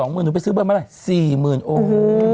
๒หมื่นถ้าไปซื้อเบอร์มาว่าไหน๔หมื่นโอ้ม